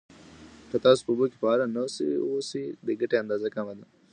که تاسو په اوبو کې فعال نه اوسئ، د ګټې اندازه کمه ده.